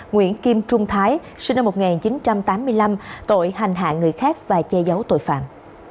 nguyễn kim trung thái sinh năm một nghìn chín trăm tám mươi năm tội hành hạ người khác và che giấu tội phạm